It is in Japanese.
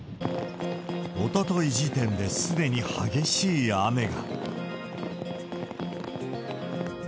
おととい時点ですでに激しい雨が。